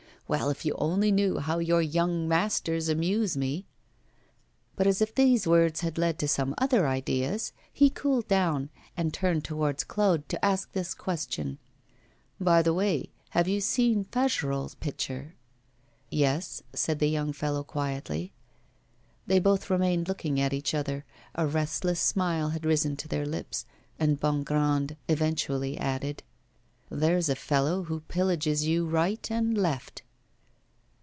Well, if you only knew how your young masters amuse me!' But as if these words had led to some other ideas, he cooled down, and turned towards Claude to ask this question: 'By the way, have you seen Fagerolles' picture?' 'Yes,' said the young fellow, quietly. They both remained looking at each other: a restless smile had risen to their lips, and Bongrand eventually added: 'There's a fellow who pillages you right and left.